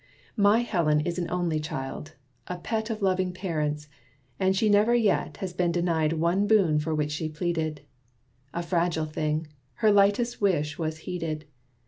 My Helen is an only child: a pet Of loving parents: and she never yet Has been denied one boon for which she pleaded. A fragile thing, her lightest wish was heeded.